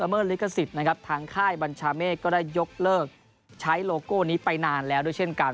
เมื่อลิขสิทธิ์นะครับทางค่ายบัญชาเมฆก็ได้ยกเลิกใช้โลโก้นี้ไปนานแล้วด้วยเช่นกัน